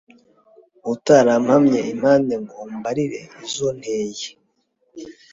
Utarampamye impande Ngo umbarire izo nteye